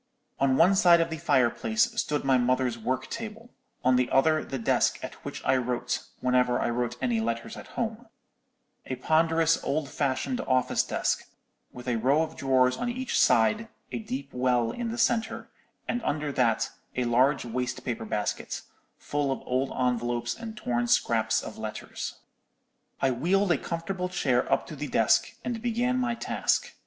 "On one side of the fireplace stood my mother's work table, on the other the desk at which I wrote, whenever I wrote any letters at home—a ponderous old fashioned office desk, with a row of drawers on each side, a deep well in the centre, and under that a large waste paper basket, full of old envelopes and torn scraps of letters. "I wheeled a comfortable chair up to the desk, and began my task.